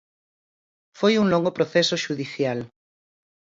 Foi un longo proceso xudicial.